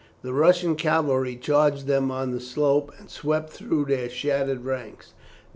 The Russian cavalry charged them on the slope, and swept through their shattered ranks.